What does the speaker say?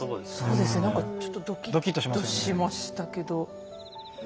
そうですね何かちょっとドキッとしましたけど。